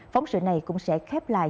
phóng sự này cũng sẽ khép lại